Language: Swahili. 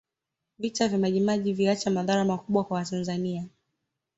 vita vya majimaji viliacha madhara makubwa kwa watanzania